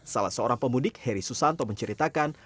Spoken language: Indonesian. salah seorang pemudik heri susanto menceritakan